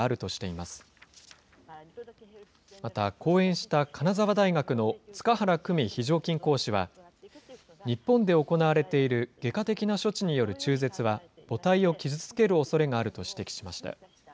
また、講演した金沢大学の塚原久美非常勤講師は、日本で行われている外科的な処置による中絶は、母体を傷つけるおそれがあると指摘しました。